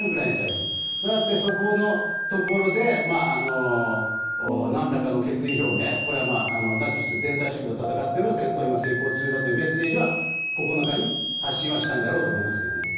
したがって、そこのところで何らかの決意表明ナチス全体主義と戦っている戦争を遂行中だというメッセージは９日に発信はするだろうと思います。